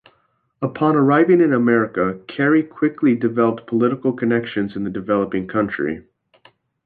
Upon arriving in America, Carey quickly developed political connections in the developing country.